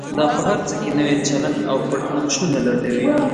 دا په هر څه کې نوی چلند او پټ نقشونه لټوي.